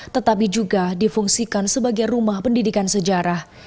tetapi juga difungsikan sebagai rumah pendidikan sejarah